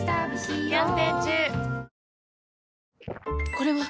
これはっ！